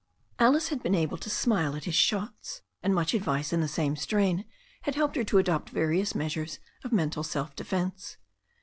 Alice had been able to smile at his shots, and much advice in the same strain had helped her to adopt various measures of mental self defence.